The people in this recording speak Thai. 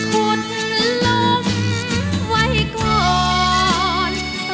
ขุดลงไว้ก่อน